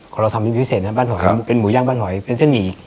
ของเราทำอย่างพิเศษนะเนี่ยบั้นหอยมิวแห้งบั้นหอยเป็นสิ้นหมี่อีก